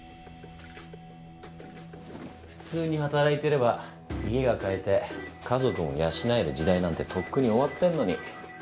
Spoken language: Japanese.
普通に働いてれば家が買えて家族も養える時代なんてとっくに終わってんのに。